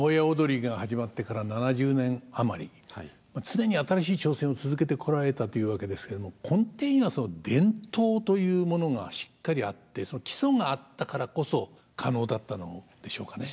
常に新しい挑戦を続けてこられたというわけですけれども根底にはその伝統というものがしっかりあってその基礎があったからこそ可能だったのでしょうかね。